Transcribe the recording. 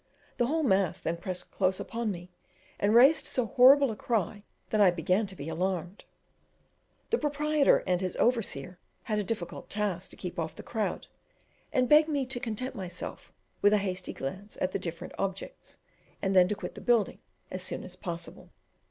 The whole mass then pressed close upon me and raised so horrible a cry that I began to be alarmed. The proprietor and his overseer had a difficult task to keep off the crowd, and begged me to content myself with a hasty glance at the different objects, and then to quit the building as soon as possible.